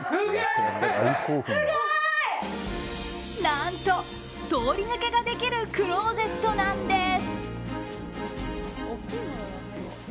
何と、通り抜けができるクローゼットなんです。